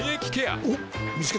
おっ見つけた。